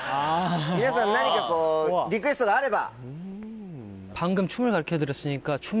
皆さん何かリクエストがあれば。